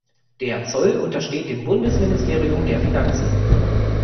Der Zoll untersteht dem Bundesministerium der Finanzen.